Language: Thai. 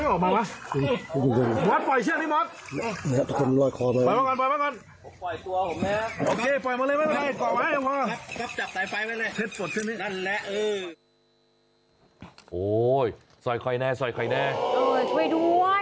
โอ๋ยเสราขวายแนท